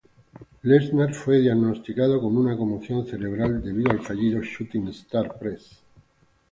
Lesnar fue diagnosticado con una conmoción cerebral debido al fallido "Shooting star press".